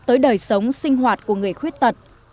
tới đời sống sinh hoạt của người khuyết tật